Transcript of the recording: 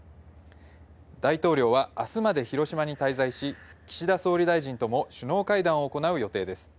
大統領は、あすまで広島に滞在し、岸田総理大臣とも首脳会談を行う予定です。